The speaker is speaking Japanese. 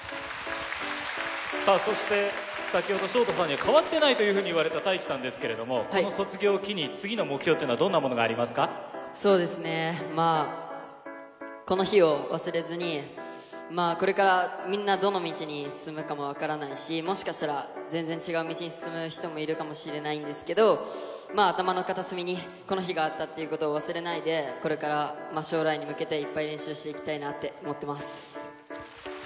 さあ、そして先ほどＳＨＯＴＡさんには変わってないというふうに言われたＴＡＩＫＩさんですけれども、この卒業を機に、次の目標というそうですね、まあこの日を忘れずに、これからみんなどの道に進むかも分からないし、もしかしたら全然違う道に進む人もいるかもしれないんですけど、頭の片隅にこの日があったっていうことを忘れないで、これから将来に向けて、いっぱい練習していきたいなって思ってます。